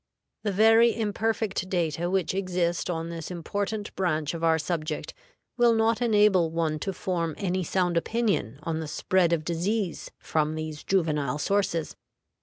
The very imperfect data which exist on this important branch of our subject will not enable one to form any sound opinion on the spread of disease from these juvenile sources.